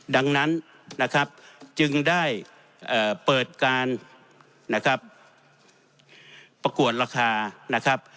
ดังนั้นจึงได้เปิดการประกวดราคานะครับ